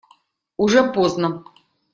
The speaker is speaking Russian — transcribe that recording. Уже поздно.